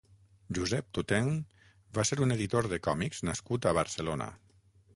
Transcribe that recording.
Josep Toutain va ser un editor de còmics nascut a Barcelona.